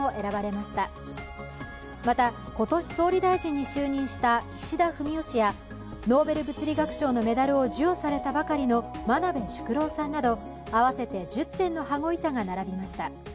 また今年総理大臣に就任した岸田文雄氏や、ノーベル物理学賞のメダルを授与されたばかりの真鍋淑郎さんなど合わせて１０点の羽子板が並びました。